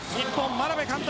眞鍋監督